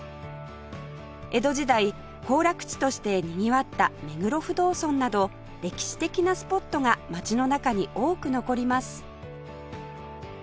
江戸時代行楽地としてにぎわった目黒不動尊など歴史的なスポットが街の中に多く残ります